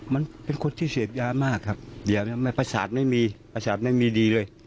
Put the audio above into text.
มันเป็นคนที่เสพยามากครับเดี๋ยวนี้ประสาทไม่มีประสาทไม่มีดีเลย